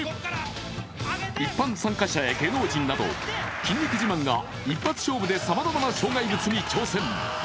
一般参加者や芸能人など筋肉自慢が一発勝負で、さまざまな障害物に挑戦。